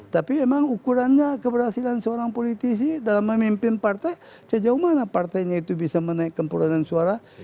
tapi memang ukurannya keberhasilan seorang politisi dalam memimpin partai sejauh mana partainya itu bisa menaikkan perdanaan suara